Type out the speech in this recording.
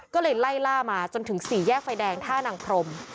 ก็เลยไล่ล่ามาจนถึงสี่แยกไฟแดงท่านังพรม